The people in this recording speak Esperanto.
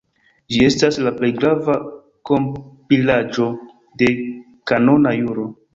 Ĝi estas la plej grava kompilaĵo de kanona juro.